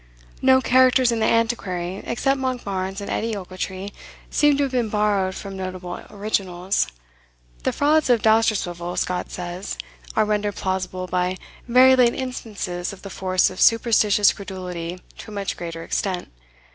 No characters in the "Antiquary," except Monkbarns and Edie Ochiltree, seem to have been borrowed from notable originals. The frauds of Dousterswivel, Scott says, are rendered plausible by "very late instances of the force of superstitious credulity to a much greater extent."